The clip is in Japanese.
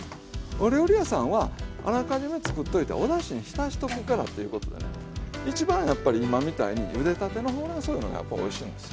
お料理屋さんはあらかじめ作っといておだしに浸しとくからということでね一番やっぱり今みたいにゆでたてのほうれんそういうのがやっぱおいしいんですよ。